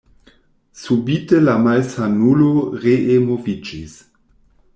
Subite la malsanulo ree moviĝis.